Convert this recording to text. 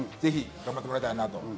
ぜひ頑張ってもらいたい。